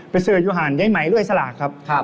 ไปซื้อยู่หันยไม้เรื่อยสลากครับครับ